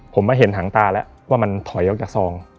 ผมมาเห็นหางตาแล้วว่ามันถอยออกจากซอง